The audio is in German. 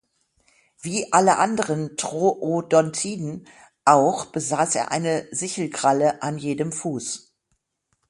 Wie alle anderen Troodontiden auch besaß er eine Sichelkralle an jedem Fuß.